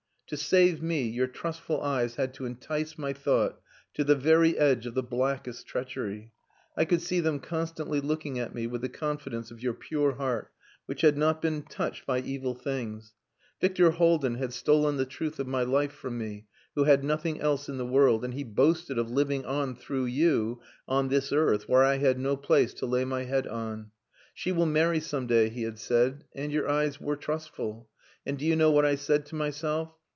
To save me, your trustful eyes had to entice my thought to the very edge of the blackest treachery. I could see them constantly looking at me with the confidence of your pure heart which had not been touched by evil things. Victor Haldin had stolen the truth of my life from me, who had nothing else in the world, and he boasted of living on through you on this earth where I had no place to lay my head on. She will marry some day, he had said and your eyes were trustful. And do you know what I said to myself?